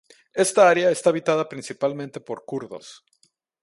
Esta área está habitada principalmente por kurdos.